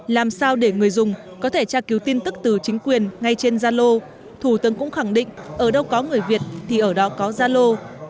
làm sao để người dùng có thể tra cứu tin tức từ chính quyền ngay trên zalo thủ tướng cũng khẳng định ở đâu có người việt thì ở đó có zalo